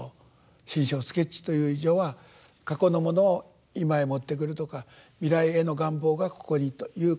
「心象スケッチ」という以上は過去のものを今へ持ってくるとか未来への願望がここにということではない。